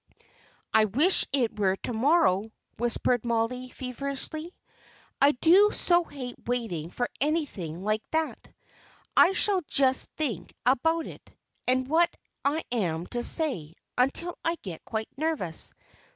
"I wish it were to morrow," whispered Mollie, feverishly. "I do so hate waiting for anything like that. I shall just think about it, and what I am to say, until I get quite nervous.